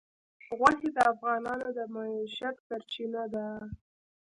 غوښې د افغانانو د معیشت سرچینه ده.